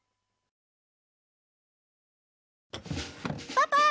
パパ！